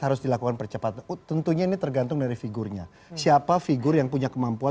harus dilakukan percepatan tentunya ini tergantung dari figurnya siapa figur yang punya kemampuan